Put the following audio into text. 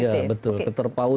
iya betul keterpautan